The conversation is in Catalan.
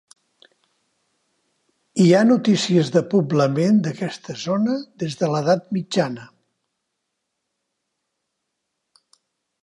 Hi ha notícies de poblament d'aquesta zona des de l'edat mitjana.